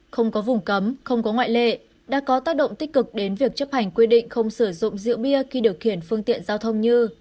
không có vùng cấm không có ngoại lệ đã có tác động tích cực đến việc chấp hành quy định không sử dụng rượu bia khi điều khiển phương tiện giao thông như